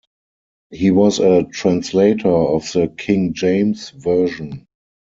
He was a translator of the King James Version.